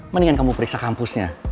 mendingan kamu periksa kampusnya